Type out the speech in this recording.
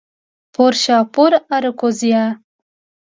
پورشاپور، آراکوزیا